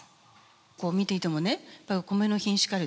こう見ていてもねやっぱりおコメの品種改良